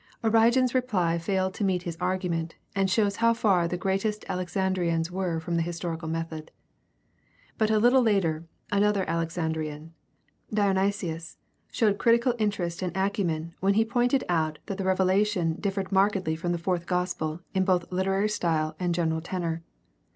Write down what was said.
Origen's reply failed to meet his argument, and shows how far the greatest Alexandrians were from the historical method. But a little later another Alexandrian, Dionysius, showed critical interest and acumen when he pointed out that the Revela tion differed markedly from the Fourth Gospel in both literary style and general tenor.